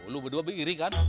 lu berdua beriri kan